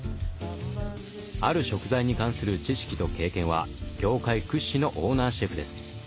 ある食材に関する知識と経験は業界屈指のオーナーシェフです。